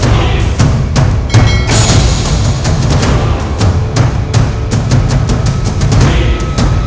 jangan lupa untuk berlangganan